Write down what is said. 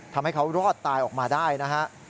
ทำให้เขารอดตายออกมาได้นะฮะ